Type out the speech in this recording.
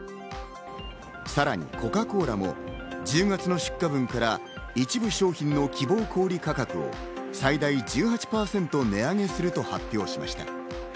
さらにコカ・コーラも１０月の出荷分から一部商品の希望小売価格を最大１８％値上げすると発表しました。